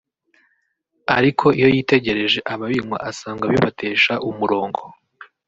ariko iyo yitegereje ababinywa asanga bibatesha umurongo